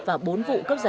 và một vụ đánh giá